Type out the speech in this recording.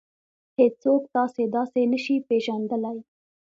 هېڅوک تاسې داسې نشي پېژندلی.